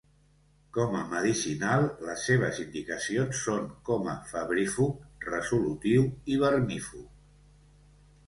Com a medicinal les seves indicacions són com a febrífug, resolutiu i vermífug.